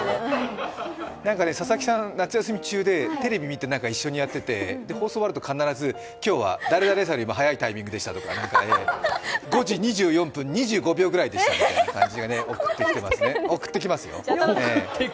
佐々木さん夏休み中でテレビ見て一緒にやってて放送終わると必ず、今日は誰々さんより早いタイミングでしたとか、５時２４分２５秒くらいでしたとか、送ってきますよ。